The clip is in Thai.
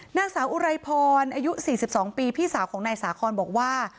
หน้าสาวอุไรพรอายุสี่สิบสองปีพี่สาวของนายสาขอนบอกว่า